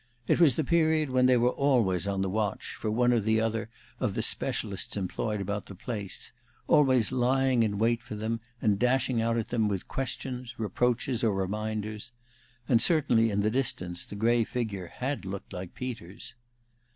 It was the period when they were always on the watch for one or the other of the specialists employed about the place; always lying in wait for them, and dashing out at them with questions, reproaches, or reminders. And certainly in the distance the gray figure had looked like Peters.